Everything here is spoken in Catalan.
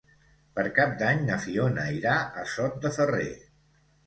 Per Cap d'Any na Fiona irà a Sot de Ferrer.